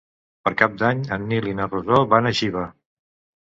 Per Cap d'Any en Nil i na Rosó van a Xiva.